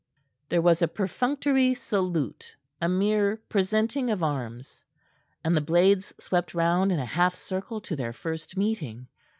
There was a perfunctory salute a mere presenting of arms and the blades swept round in a half circle to their first meeting.